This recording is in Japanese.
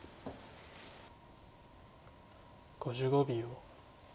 ５５秒。